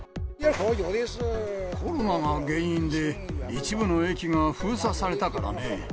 コロナが原因で、一部の駅が封鎖されたからね。